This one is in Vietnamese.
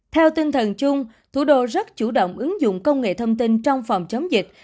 theo tinh thần chung thủ đô rất chủ động ứng dụng công nghệ thông tin trong phòng chống dịch